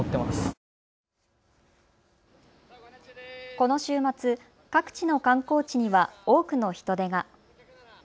この週末、各地の観光地には多くの人出が。